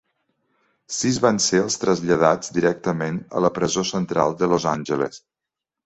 Sis van ser traslladats directament a la presó central de Los Angeles.